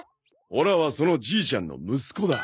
オラはそのじいちゃんの息子だ。